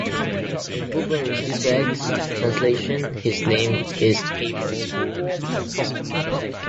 In Buber Rosenzweig’s translation his name is “Habel”.